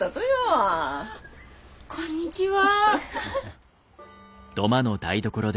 こんにちは。